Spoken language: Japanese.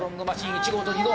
１号と２号。